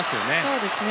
そうですね。